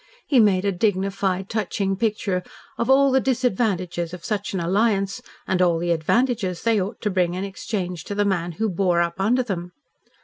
He made a dignified, touching picture of all the disadvantages of such an alliance and all the advantages they ought to bring in exchange to the man who bore up under them.